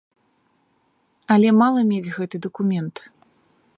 Але мала мець гэты дакумент.